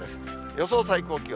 予想最高気温。